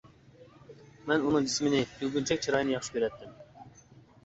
مەن ئۇنىڭ جىسمىنى، كۈلگۈنچەك چىرايىنى ياخشى كۆرەتتىم.